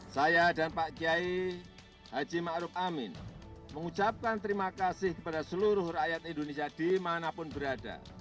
saya dan pak kiai haji ⁇ maruf ⁇ amin mengucapkan terima kasih kepada seluruh rakyat indonesia dimanapun berada